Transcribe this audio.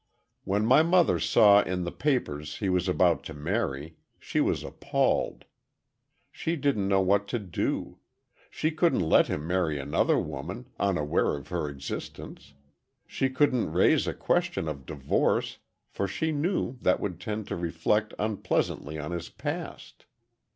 "When my mother saw in the papers he was about to marry, she was appalled. She didn't know what to do. She couldn't let him marry another woman, unaware of her existence. She couldn't raise a question of divorce for she knew that would tend to reflect unpleasantly on his past.